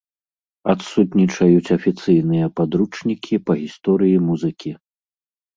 Адсутнічаюць афіцыйныя падручнікі па гісторыі музыкі.